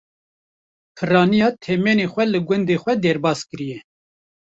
Pirraniya temenê xwe li gundê xwe derbaskiriye.